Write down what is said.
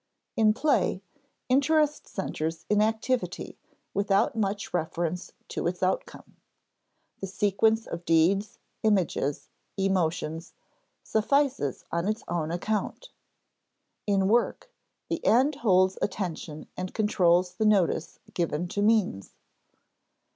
In play, interest centers in activity, without much reference to its outcome. The sequence of deeds, images, emotions, suffices on its own account. In work, the end holds attention and controls the notice given to means.